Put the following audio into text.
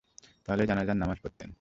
তাহলে জানাযার নামায পড়তেন।